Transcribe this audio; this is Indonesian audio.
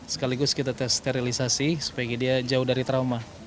sekaligus kita sterilisasi supaya dia jauh dari trauma